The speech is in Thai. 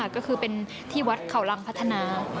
ก็คือเป็นที่วัดเขารังพัฒนา